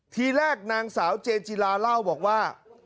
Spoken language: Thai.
ทีแรกนางสาวเจนจิลาเล่าบอกว่า